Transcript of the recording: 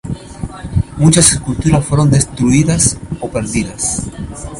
Muchas esculturas fueron destruidas o perdidas.